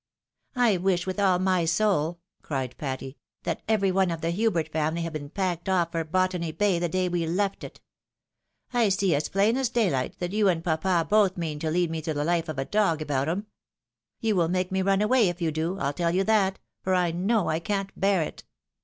" I wish, with all my soul," cried Patty, " that every one of the Hubert family had been packed off for Botany Bay the day we left it ! I see as plain as dayhght that you and papa both mean to lead me the hfe of a dog about 'em. You will make me run away, if you do, I'U tell you that, for I know I can't bear it."